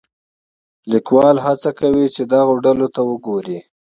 لیکوال هڅه کوي چې دغو ډلو ته وګوري.